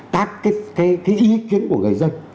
các cái ý kiến của người dân